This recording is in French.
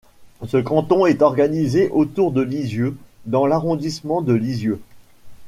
Ce canton est organisé autour de Lisieux dans l'arrondissement de Lisieux.